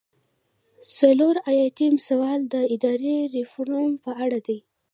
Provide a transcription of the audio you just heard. څلور ایاتیام سوال د اداري ریفورم په اړه دی.